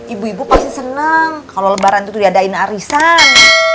ibu ibu pasti senang kalau lebaran itu diadain arisan